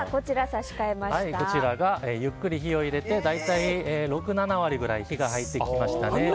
ゆっくり火を入れて大体６７割ぐらい火が入ってきましたね。